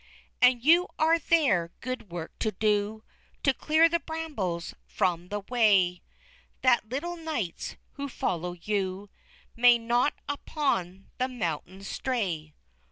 _ _"And you are there good work to do; To clear the brambles from the way, That little knights who follow you May not upon the mountains stray."